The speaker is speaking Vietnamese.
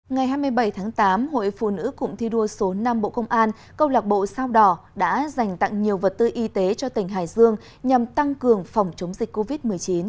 ngày hai mươi bảy tháng tám hội phụ nữ cụng thi đua số năm bộ công an công lạc bộ sao đỏ đã dành tặng nhiều vật tư y tế cho tỉnh hải dương nhằm tăng cường phòng chống dịch covid một mươi chín